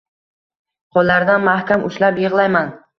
Qoʻllaridan mahkam ushlab yigʻlayman.